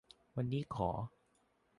วันนี้ขอ